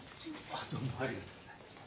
あっどうもありがとうございました。